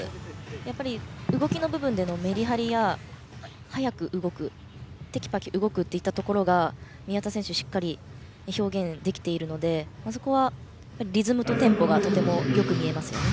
やっぱり、動きの部分でのメリハリや速く動くてきぱき動くといったところが宮田選手、しっかり表現できているのでそこは、リズムとテンポがとてもよく見えますね。